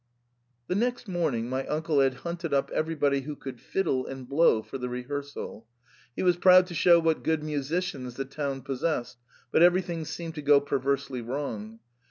41 The next morning my uncle had hunted up every body who could fiddle and blow for the rehearsal He was proud to show what good musicians the town pos sessed ; but everytliing seemed to go perversely wrong.